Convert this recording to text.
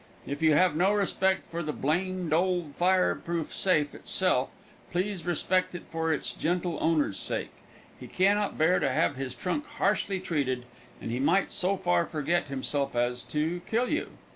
If you have no respect for the blamed old fire proof safe itself, please respect it for its gentle owner's sake. He can not bear to have his trunk harshly treated, and he might so far forget himself as to kill you.